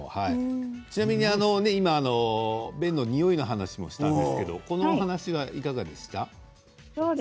ちなみに便のにおいの話もしたんですけどこのお話は、いかがでしたか？